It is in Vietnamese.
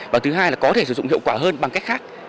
và thứ hai là có thể sử dụng hiệu quả hơn bằng cách khác